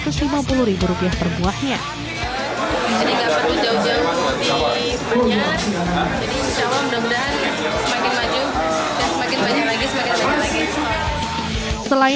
jadi gak perlu jauh jauh di punya jadi insya allah mudah mudahan semakin maju dan semakin banyak lagi semakin banyak lagi